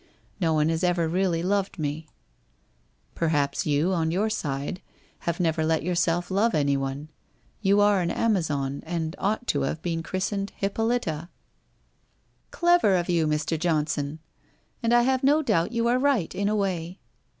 Xo one has ever really loved me/ ' Perhaps you on your side, have never let yourself love anyone. You are an Amazon, and ought to have been christened Hippolyta/ ' Clever of you, Mr. Johnson ! And I have no doubt you are right in a way.